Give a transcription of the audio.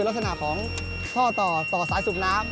รสละของท่อท่อสายสูบน้ำ